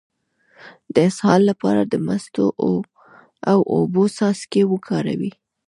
د اسهال لپاره د مستو او اوبو څاڅکي وکاروئ